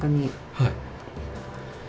はい。